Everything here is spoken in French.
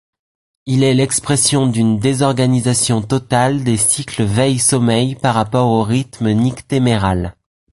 Il est l'expression d'une désorganisation totale des cycles veille-sommeil par rapport au rythme nycthéméral.